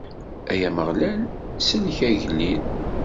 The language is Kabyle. Ay Ameɣlal, sellek agellid!